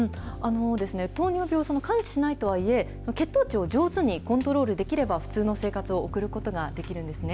糖尿病、完治しないとはいえ、血糖値を上手にコントロールできれば、普通の生活を送ることができるんですね。